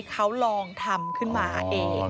เขาลองทำขึ้นมาเอง